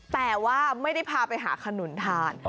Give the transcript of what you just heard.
แต่ว่าไม่ได้พาไปหาขนุนทาน